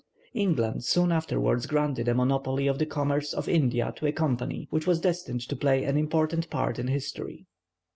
England soon afterwards granted a monopoly of the commerce of India to a Company which was destined to play an important part in history.